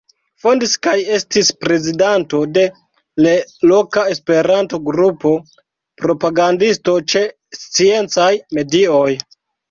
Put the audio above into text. Fondis kaj estis prezidanto de l' loka Esperanto-grupo; propagandisto ĉe sciencaj medioj.